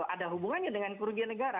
ada hubungannya dengan kerugian negara